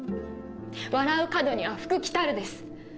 笑う門には福来るです。